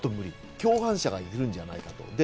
共犯者がいるんじゃないかと。